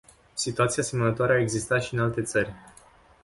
Situații asemănătoare au existat și în alte țări.